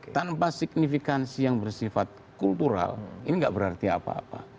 tanpa signifikansi yang bersifat kultural ini nggak berarti apa apa